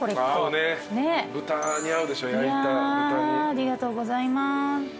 ありがとうございます。